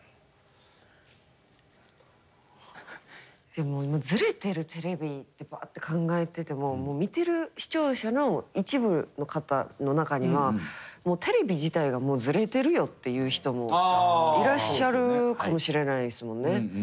でも「ズレてるテレビ」ってバーッて考えてても見てる視聴者の一部の方の中にはもうテレビ自体がもうズレてるよっていう人もいらっしゃるかもしれないですもんね。